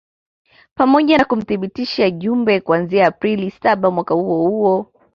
pamoja na kumthibitisha Jumbe kuanzia Aprili saba mwaka huo huo